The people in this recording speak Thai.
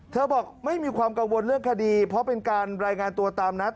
บอกไม่มีความกังวลเรื่องคดีเพราะเป็นการรายงานตัวตามนัด